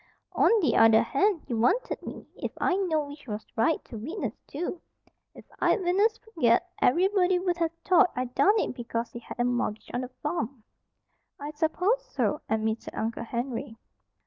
"On the other hand, you wanted me, if I knowed which was right, to witness, too. If I'd witnessed for Ged, ev'rybody wuld ha' thought I done it because he had a mortgage on the farm." "I s'pose so," admitted Uncle Henry.